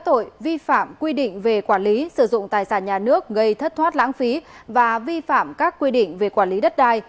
tội vi phạm quy định về quản lý sử dụng tài sản nhà nước gây thất thoát lãng phí và vi phạm các quy định về quản lý đất đai